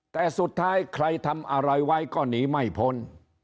แต่สุดท้ายใครทำอะไรไว้ก็หนีไม่พ้น